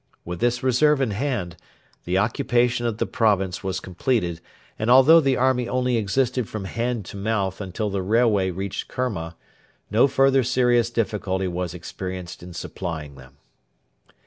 With this reserve in hand, the occupation of the province was completed, and although the army only existed from hand to mouth until the railway reached Kerma, no further serious difficulty was experienced in supplying them.